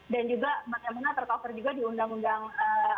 dan juga bagaimana tercover juga di undang undang as